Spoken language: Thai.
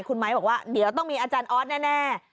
คุณไม้บอกว่าเดี๋ยวต้องมีอาจารย์ออสแน่